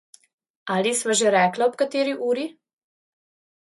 Ali sva že rekla ob kateri uri?